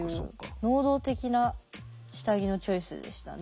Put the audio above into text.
能動的な下着のチョイスでしたね。